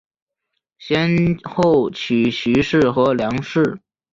先后娶徐氏和梁氏。